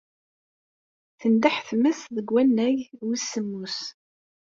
Tendeḥ tmes deg wannag wis semmus.